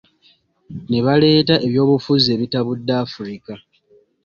Ne baleeta ebyobufuzi ebitabudde Afirika.